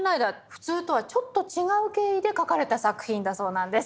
普通とはちょっと違う経緯で描かれた作品だそうなんです。